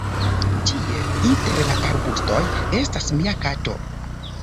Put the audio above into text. Tie, inter la arbustoj, estas mia kato.